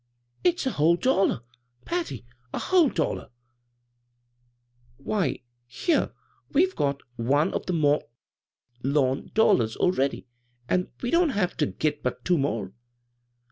" It's a whole dollar, Patty — a wAaie dollar ! Why, here we've got one of the Mont Lawn dollars already, an' we don't have ter get but two more.